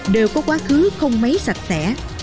đều có quá khứ không mấy sạch sẽ